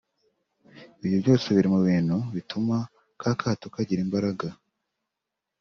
Ibyo byose biri mu bintu bituma ka kato kagira imbaraga